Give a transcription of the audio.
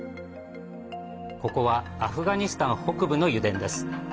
ここはアフガニスタン北部の油田です。